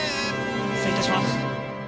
失礼いたします。